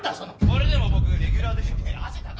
これでも僕レギュラーでした。